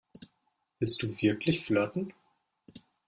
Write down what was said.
Willst du wirklich flirten?